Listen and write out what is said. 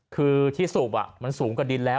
คือที่สูบสูงกับดินแล้ว